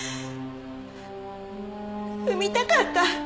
産みたかった。